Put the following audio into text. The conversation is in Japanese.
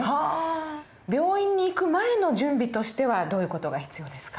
病院に行く前の準備としてはどういう事が必要ですか？